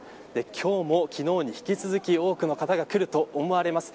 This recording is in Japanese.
今日も、昨日に引き続き多くの方が来ると思われます。